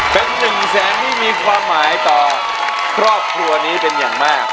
เป็นหนึ่งแสนที่มีความหมายต่อครอบครัวนี้เป็นอย่างมาก